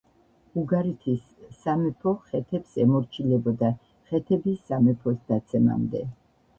უგარითის სამეფო ხეთებს ემორჩილებოდა ხეთების სამეფოს დაცემამდე.